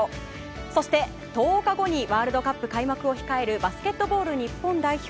そして、１０日後にワールドカップ開幕を控えるバスケットボール日本代表。